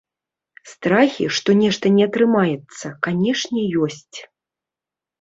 Страхі, што нешта не атрымаецца, канешне, ёсць.